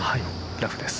ラフです。